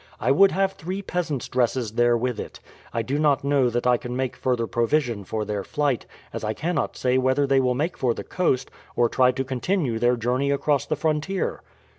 I would have three peasant's dresses there with it. I do not know that I can make further provision for their flight, as I cannot say whether they will make for the coast, or try to continue their journey across the frontier."